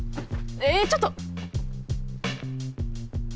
えちょっと！